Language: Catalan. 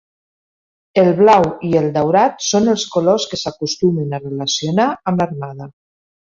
El blau i el daurat són els colors que s'acostumen a relacionar amb l'armada.